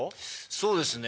そうですね。